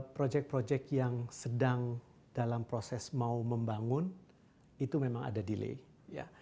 proyek proyek yang sedang dalam proses mau membangun itu memang ada delay ya